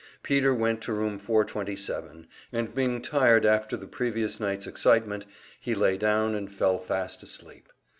Peter went to Room 427, and being tired after the previous night's excitement, he lay down and fell fast asleep.